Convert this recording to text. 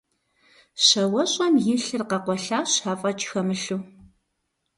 Щауэщӏэм и лъыр къэкъуэлъащ афӏэкӏ хэмылъу.